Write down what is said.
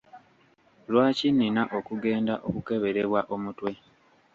Lwaki nina okugenda okukeberebwa omutwe .